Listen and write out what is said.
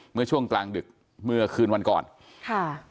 เมื่อช่วงกลางดึกเมื่อคืนวันก่อนค่ะ